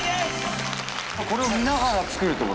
これを見ながら作る？